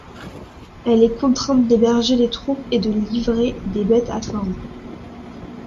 Elle est contrainte d'héberger les troupes et de livrer des bêtes à cornes.